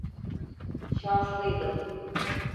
Şanslıydım.